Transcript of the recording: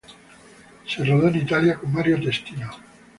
Se rodó en Italia con Mario Testino.